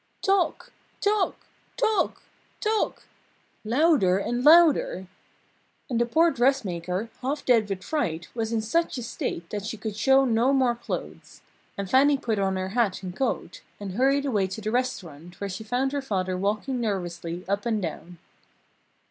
"Toc! Toc! Toc! Toc!" louder and louder! And the poor dressmaker, half dead with fright, was in such a state that she could show no more clothes. And Fannie put on her hat and coat, and hurried away to the restaurant where she found her father walking nervously up and down.